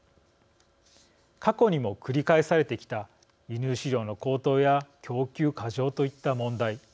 過去にも繰り返されてきた輸入飼料の高騰や供給過剰といった問題。